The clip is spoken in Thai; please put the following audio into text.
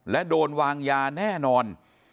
และโดนวางยาแน่นอน